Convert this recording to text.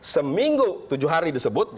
seminggu tujuh hari disebut